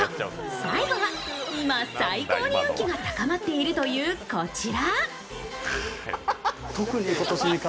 最後は今、最高に運気が高まっているというこちら。